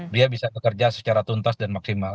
dia bisa bekerja secara tuntas dan maksimal